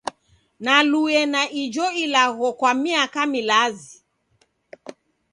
Nalue na ijo ilagho kwa miaka milazi.